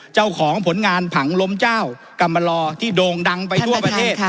เจ้าของผลงานผังล้มเจ้ากรรมลอที่โด่งดังไปทั่วประเทศ